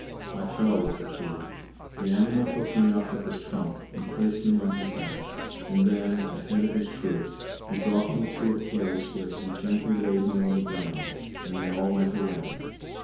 I fell with the tree; the animal took me up with his trunk, and placed me on his back, and then, at the head of his troop, he brought me to a place where he gently laid me on the ground, and they all went away.